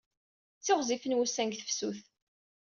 Ttiɣzifen wussan deg tefsut.